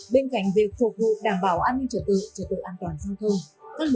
bên cạnh việc phục vụ đảm bảo an ninh trật tự trật tự an toàn giao thông